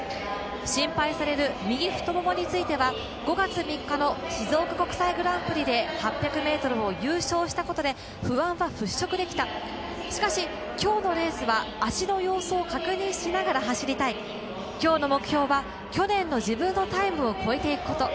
心配される右太ももについては５月３日の静岡国際グランプリで８００ｍを優勝したことで不安は払拭できたしかし今日のレースは足の調子を確認しながら走りたい、今日の目標は去年の自分のタイムを超えていくこと。